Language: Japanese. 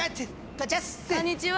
こんにちは！